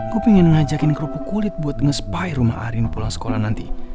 gue pengen ngajakin kerupuk kulit buat ngespay rumah arin pulang sekolah nanti